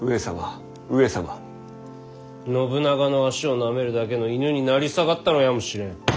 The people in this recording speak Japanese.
信長の足をなめるだけの犬に成り下がったのやもしれん。